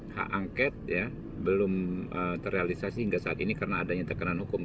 hak angket belum terrealisasi hingga saat ini karena adanya tekanan hukum